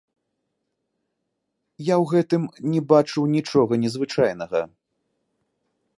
Я ў гэтым не бачу нічога незвычайнага.